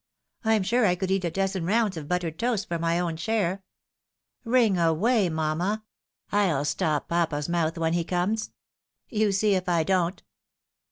I'm sure I could eat a dozen rounds of buttered toast for my own share. Ring away, mamma, I'll stop papa's mouth when he comes. You see if I don't."